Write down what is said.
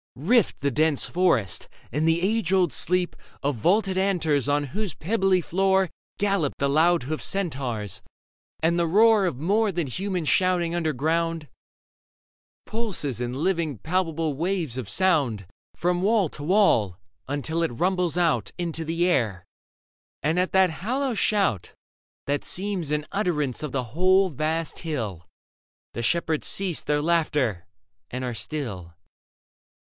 Rift the dense forest and the age old sleep Of vaulted antres on whose pebbly floor Leda Gallop the loud hoofed Centaurs ; and the roar Of more than human shouting underground Pulses in living palpable waves of sound From wall to wall, until it rumbles out Into the air ; and at that hollow shout That seems an utterance of the whole vast hill, The shepherds cease their laughter and are still.